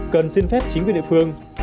cần xin phép chính quyền địa phương